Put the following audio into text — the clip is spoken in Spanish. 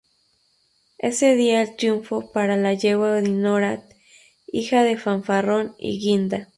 Ese día el triunfo fue para la yegua Dinorah, hija de Fanfarrón y Guinda.